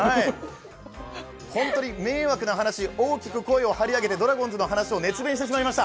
ホントに迷惑な話、大きく声を張り上げてドラゴンズの話を熱弁してしまいました。